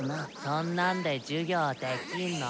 そんなんで授業できんの？